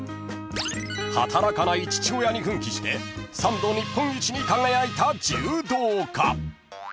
［働かない父親に奮起して３度日本一に輝いた柔道家］